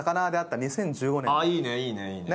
いいねいいねいいね。